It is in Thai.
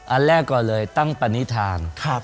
อันแรกก่อนเลยตั้งปณิธาน